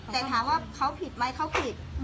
แต่ถามว่าเขาผิดไหมเขาผิด